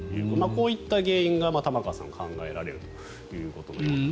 こういった原因が玉川さん、考えられるということのようです。